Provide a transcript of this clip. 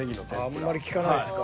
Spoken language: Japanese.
あんまり聞かないですか。